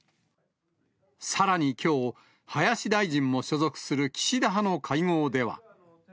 さらにきょう、林大臣も所属する岸田派の会合では。